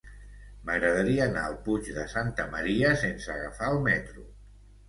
M'agradaria anar al Puig de Santa Maria sense agafar el metro.